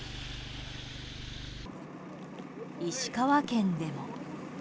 石川県でも。